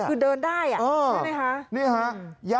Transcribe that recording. คือเดินได้ใช่ไหมคะ